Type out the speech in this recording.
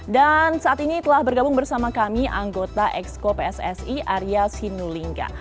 dan saat ini telah bergabung bersama kami anggota exco pssi arya sinulinga